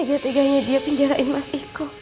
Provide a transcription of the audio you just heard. tegah tegahnya dia pinjarin mas iko